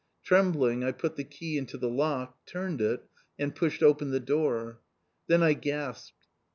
Trembling, I put the key into the lock, turned it, and pushed open the door. Then I gasped.